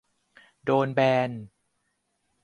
โดนแบน